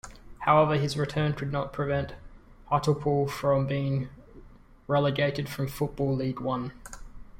However, his return could not prevent Hartlepool from being relegated from Football League One.